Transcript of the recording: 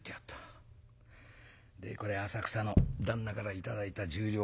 でこれは浅草の旦那から頂いた１０両。